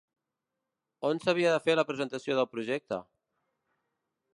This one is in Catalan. On s'havia de fer la presentació del projecte?